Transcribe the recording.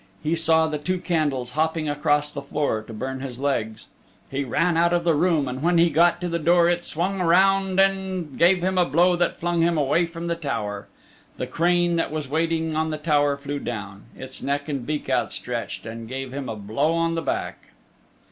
He saw the two candles hopping across the floor to burn his legs. He ran out of the room, and when he got to the door it swung around and gave him a blow that flung him away from the tower. The crane that was waiting on the tower flew down, its neck and beak outstretched, and gave him a blow on the back.